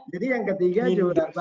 jadi yang ketiga juga